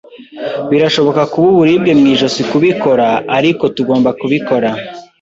Birashobora kuba uburibwe mu ijosi kubikora, ariko tugomba kubikora.